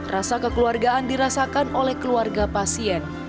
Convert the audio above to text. rasa kekeluargaan dirasakan oleh keluarga pasien